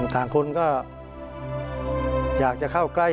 ต่างคนก็อยากจะเข้าใกล้